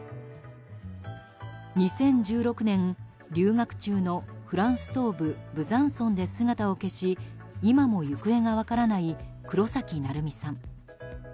２０１６年、留学中のフランス東部ブザンソンで姿を消し、今も行方が分からない黒崎愛海さん。